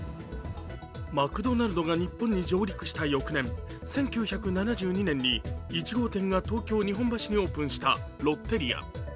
マクドナルドが日本に上陸した翌年、１９７２年に１号店が東京・日本橋にオープンしたロッテリア。